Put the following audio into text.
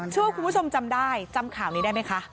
เชื่อว่าคุณผู้ชมจำได้จำข่าวนี้ได้ไหมคะ